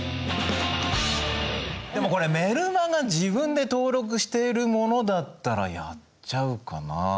でもこれメルマガ自分で登録しているものだったらやっちゃうかな。